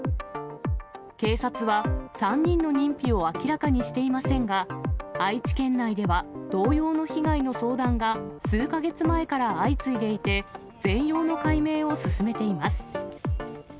警察は、３人の認否を明らかにしていませんが、愛知県内では、同様の被害の相談が数か月前から相次いでいて、全容の解明を進めています。